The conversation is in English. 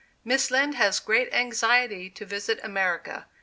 "Miss Lind has great anxiety to visit America.